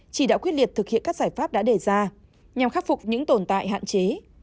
chỉ đạo quyết liệt thực hiện các giải pháp đã đề ra nhằm khắc phục những tồn tại hạn chế